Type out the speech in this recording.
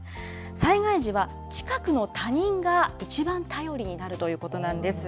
災害時は、近くの他人が一番頼りになるということなんです。